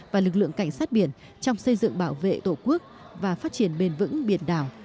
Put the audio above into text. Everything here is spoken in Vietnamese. và lực lượng cảnh sát biển trong xây dựng bảo vệ tổ quốc và phát triển bền vững biển đảo